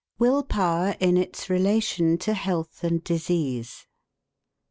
WILL POWER IN ITS RELATION TO HEALTH AND DISEASE.